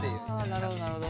なるほどなるほど。